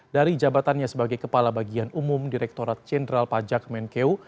dari jabatannya sebagai kepala bagian umum direkturat jenderal pajak menkeu